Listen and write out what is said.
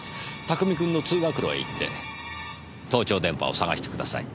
拓海君の通学路へ行って盗聴電波を探してください。